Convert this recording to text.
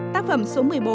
tác phẩm số một mươi bốn